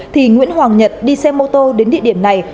thì nguyễn hoàng nhật đi xe mô tô đến địa điểm này